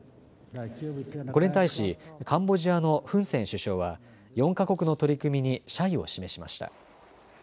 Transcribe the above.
これに対しカンボジアのフン・セン首相は４か国の取り組みに謝意を示しました。